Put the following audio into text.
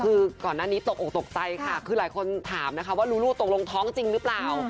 คือก่อนหน้านี้ตกออกตกใจค่ะคือหลายคนถามนะคะว่ารู้ลูกตกลงท้องจริงหรือเปล่า